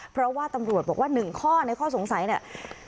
เพราะว่าตำรวจบอกว่า๑ข้อในข้อสงสัยเนี่ย